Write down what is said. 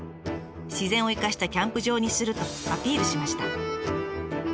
自然を生かしたキャンプ場にするとアピールしました。